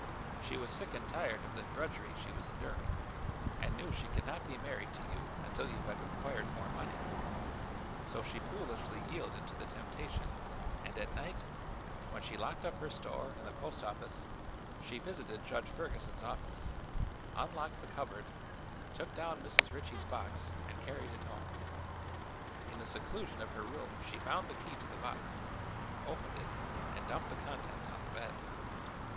She was sick and tired of the drudgery she was enduring and knew she could not be married to you until you had acquired more money; so she foolishly yielded to the temptation and at night, when she locked up her store and the post office, she visited Judge Ferguson's office, unlocked the cupboard, took down Mrs. Ritchie's box and carried it home. In the seclusion of her room she found the key to the box, opened it and dumped the contents on the bed.